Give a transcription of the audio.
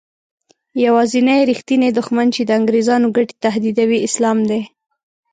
یوازینی رښتینی دښمن چې د انګریزانو ګټې تهدیدوي اسلام دی.